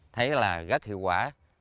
thấy là rất hiệu quả